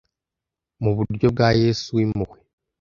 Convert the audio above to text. muburyo bwa yesu wimpuhwe